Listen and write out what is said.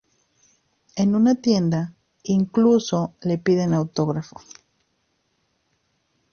En una tienda, incluso le piden su autógrafo.